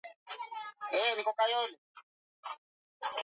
wa mbinguni ni kama punje ya haradali ambayo mtu anaipanda